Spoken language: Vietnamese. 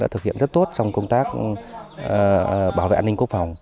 thực hiện rất tốt trong công tác bảo vệ an ninh quốc phòng